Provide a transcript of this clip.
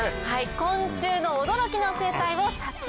昆虫の驚きの生態を撮影。